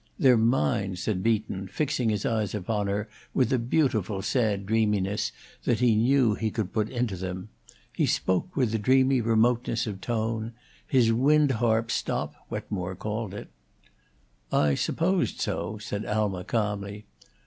"They're mine," said Beaton, fixing his eyes upon her with a beautiful sad dreaminess that he knew he could put into them; he spoke with a dreamy remoteness of tone his wind harp stop, Wetmore called it. "I supposed so," said Alma, calmly.